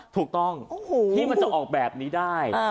ถูกต้องที่มันจะออกแบบนี้ได้